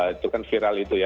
itu kan viral itu ya